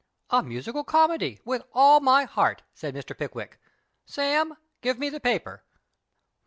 " A musical comedy, with all my heart," said Mr. Pickwick. " Sam, give me the paper.